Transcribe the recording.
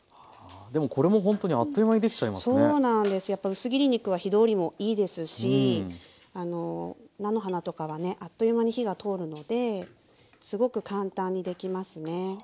やっぱ薄切り肉は火通りもいいですし菜の花とかはねあっという間に火が通るのですごく簡単にできますね。